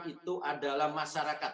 itu adalah masyarakat